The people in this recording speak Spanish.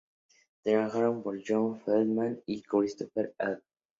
Trabajaron con John Feldmann y Chris Lord-Alge.